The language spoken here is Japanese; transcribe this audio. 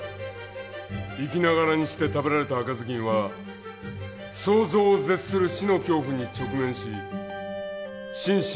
生きながらにして食べられた赤ずきんは想像を絶する死の恐怖に直面し身心を喪失しました。